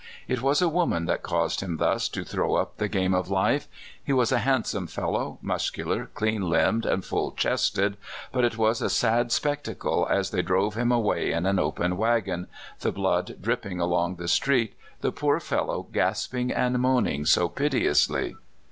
It was a woman that caused him thus to throw up the game of life. He was a handsome fellow, muscu lar, clean limbed, and full chested, but it was a sad spectacle as they drove him away in an open wagon, the blood dripping along the street, the poor fellow gasping and moaning so piteously.